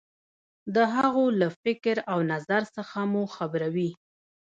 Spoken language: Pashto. د هغو له فکر او نظر څخه مو خبروي.